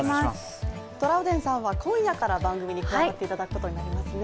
トラウデンさんは今夜から番組に加わっていただくことになりますね。